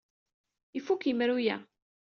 Ifuk yemru-a.